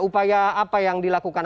upaya apa yang dilakukan